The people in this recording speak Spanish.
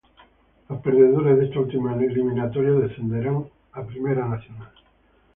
Los perdedores de esta última eliminatoria descenderán a Primera Nacional.